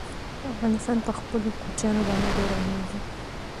افغانستان په خپلو کوچیانو باندې ډېر غني دی.